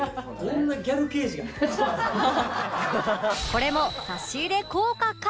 これも差し入れ効果か？